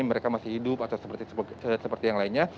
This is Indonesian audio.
mereka masih hidup atau seperti yang lainnya